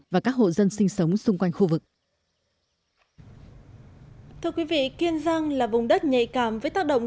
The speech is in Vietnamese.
và các hộ dân sinh sống xung quanh khu vực kiên giang là vùng đất nhạy cảm với tác động